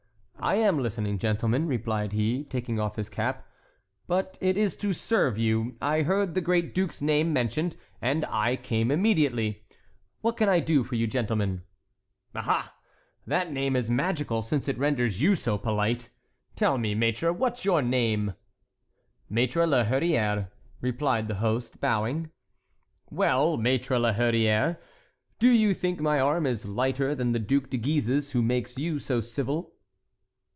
"I am listening, gentlemen," replied he, taking off his cap; "but it is to serve you. I heard the great duke's name mentioned, and I came immediately. What can I do for you, gentlemen?" "Aha! that name is magical, since it renders you so polite. Tell me, maître,—what's your name?" "Maître la Hurière," replied the host, bowing. "Well, Maître la Hurière, do you think my arm is lighter than the Duc de Guise's, who makes you so civil?"